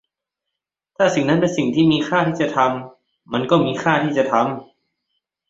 ถ้าสิ่งนั้นเป็นสิ่งที่มีค่าที่จะทำ มันก็มีค่าที่จะทำ